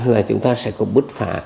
là chúng ta sẽ có bước phá